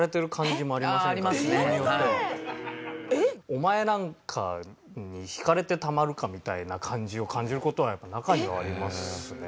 お前なんかに弾かれてたまるかみたいな感じを感じる事は中にはありますね